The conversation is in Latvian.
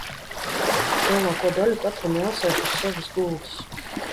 Lielāko daļu katram jāsēž uz savas gultas.